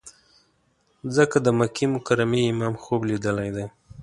ځکه د مکې مکرمې امام خوب لیدلی دی.